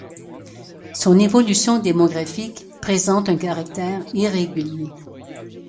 Son évolution démographique présente un caractère irrégulier.